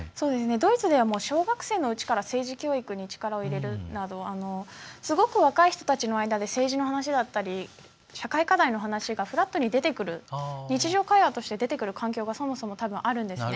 ドイツでは小学生のうちから政治教育に力を入れるなどすごく若い人たちの間で政治の話だったり社会課題の話がフラットに出てくる日常会話として出てくる環境がそもそもあるんですね。